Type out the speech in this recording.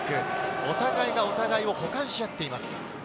お互いがお互いを補完し合っています。